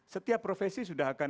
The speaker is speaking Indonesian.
setiap profesi sudah akan